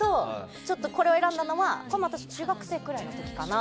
ちょっとこれを選んだのはこれも私が中学生くらいの時かな。